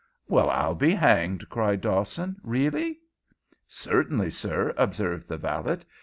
"Well, I'll be hanged!" cried Dawson. "Really?" "Certainly, sir," observed the valet.